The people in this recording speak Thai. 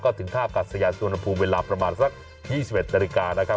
ก็ถึงท่ากัดสยานสุวรรณภูมิเวลาประมาณสัก๒๑นาฬิกานะครับ